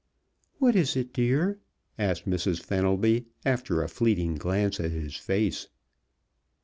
"What is it, dear?" asked Mrs. Fenelby, after a fleeting glance at his face.